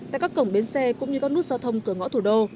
tại các cổng bến xe cũng như các nút giao thông cửa ngõ thủ đô